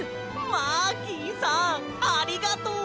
マーキーさんありがとう！